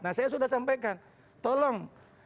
nah saya sudah sampaikan tolong